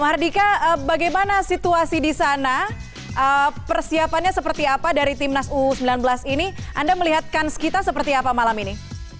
ya mahardika bagaimana situasi di sana persiapannya seperti apa dari timnas u sembilan belas ini anda melihatkan sekitar seperti apa malam ini